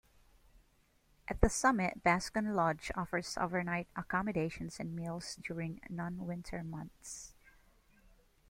At the summit, Bascom Lodge offers overnight accommodations and meals during non-winter months.